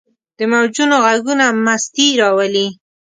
د موجونو ږغونه مستي راولي.